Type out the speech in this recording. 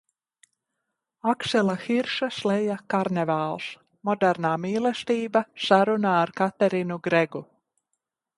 Aksela Hirša sleja Karnevāls; Modernā mīlestība – saruna ar Katerinu Gregu;